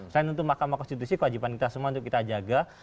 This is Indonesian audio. selain untuk mahkamah konstitusi kewajiban kita semua untuk kita jaga